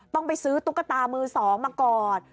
ต้องไปซื้อตุ๊กตามือ๒มาก่อน